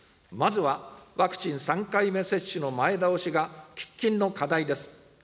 まずはワクチン３回目接種の前倒しが喫緊の課題です。